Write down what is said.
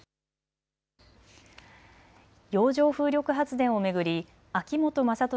洋上風力発電を巡り秋本真利